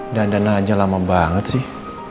udah andan aja lama banget sih